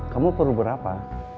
kamu perlu berapa